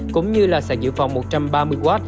cũng như sạc dự phòng một trăm ba mươi w